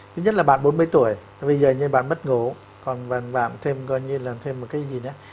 thứ nhất là bạn bốn mươi tuổi bây giờ như bạn mất ngủ còn bạn thêm gọi như là thêm một cái gì nữa